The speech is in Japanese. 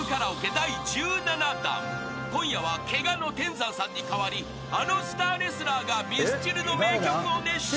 ［今夜はケガの天山さんに代わりあのスターレスラーがミスチルの名曲を熱唱］